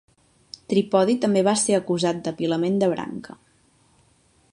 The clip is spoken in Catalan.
Tripodi també va ser acusat d'apilament de branca.